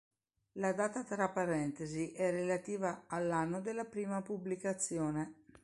La data tra parentesi è relativa all'anno della prima pubblicazione.